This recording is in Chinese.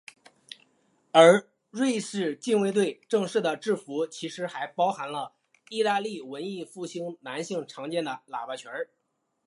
而瑞士近卫队正式的制服其实还包含了义大利文艺复兴男性常见的喇叭裙。